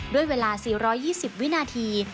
ด้วยเวลา๔๒๐วินาที